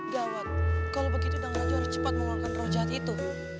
gawat kalau begitu dengan raja harus cepat mengeluarkan rujahat itu